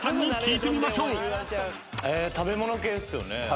えー食べ物系ですよね？